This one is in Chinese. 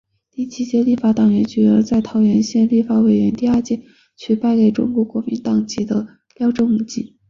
第七届立法委员选举在桃园县立法委员第二选举区败给中国国民党籍的廖正井。